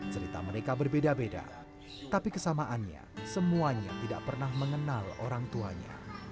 cerita mereka berbeda beda tapi kesamaannya semuanya tidak pernah mengenal orang tuanya